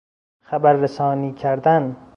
خبررسانی کردن